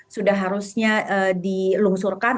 sudah harusnya dilungsurkan